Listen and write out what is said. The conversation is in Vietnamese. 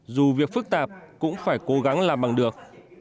dù việc phức tạp cũng phải cố gắng làm bằng được